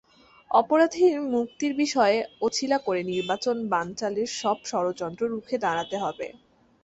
অপরাধীর মুক্তির বিষয় অছিলা করে নির্বাচন বানচালের সব ষড়যন্ত্র রুখে দাঁড়াতে হবে।